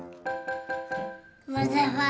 まぜまぜ！